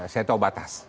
saya tahu batas